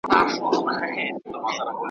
بزګران د ټولنې مهم خلک دي.